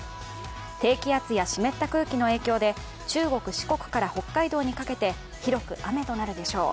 低気圧や湿った空気の影響で中国・四国から北海道にかけて広く雨となるでしょう。